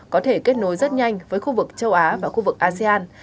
có thể kết nối rất nhanh với khu vực châu á và khu vực asean